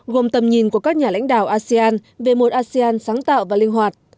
gồm tầm nhìn của các nhà lãnh đạo asean về một asean sáng tạo và linh hoạt